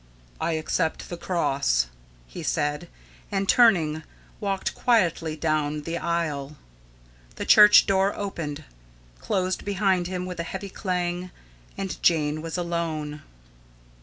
"I accept the cross," he said, and, turning, walked quietly down the aisle. The church door opened, closed behind him with a heavy clang, and Jane was alone.